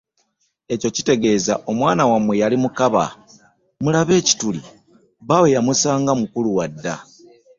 Ekyo kitegeeza nti, “Omwana wammwe yali mukaba, mulabe ekituli, bbaawe yamusanga mukulu wa dda.”